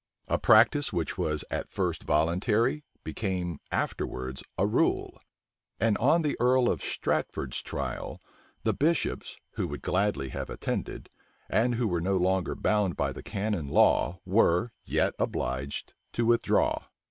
A practice which was at first voluntary, became afterwards a rule; and on the earl of Strafford's trial, the bishops, who would gladly have attended, and who were no longer bound by the canon law, were, yet obliged to withdraw.